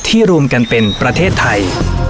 รวมกันเป็นประเทศไทย